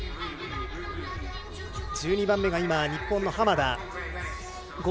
１２番目が日本の浜田。